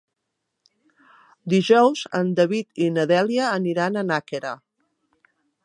Dijous en David i na Dèlia aniran a Nàquera.